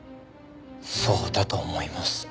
そうだと思います。